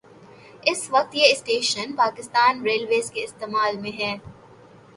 اس وقت یہ station Pakistan railways کے استعمال میں ہے